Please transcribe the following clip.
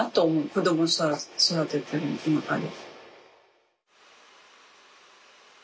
子供を育ててる中で。